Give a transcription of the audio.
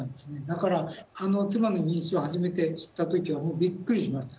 だから妻の認知症を初めて知った時はもうびっくりしました。